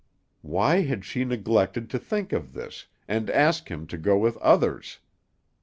Why had she neglected to think of this, and ask him to go with others?